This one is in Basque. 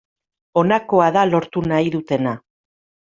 Honakoa da lortu nahi dutena.